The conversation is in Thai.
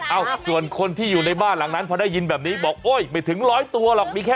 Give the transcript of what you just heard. เอาส่วนคนที่อยู่ในบ้านหลังนั้นพอได้ยินแบบนี้บอก